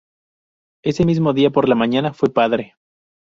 Ese mismo día, por la mañana, fue padre.